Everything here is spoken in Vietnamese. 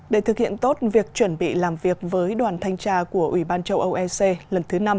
để thực hiện tốt việc chuẩn bị làm việc với đoàn thanh tra của ủy ban châu âu ec lần thứ năm